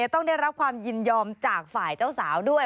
ต้องได้รับความยินยอมจากฝ่ายเจ้าสาวด้วย